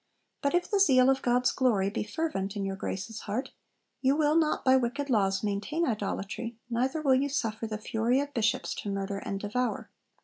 But if the zeal of God's glory be fervent in your Grace's heart, you will not by wicked laws maintain idolatry, neither will you suffer the fury of Bishops to murder and devour.'